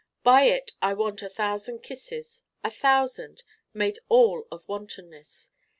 By it I want a Thousand Kisses: a Thousand made all of Wantonness.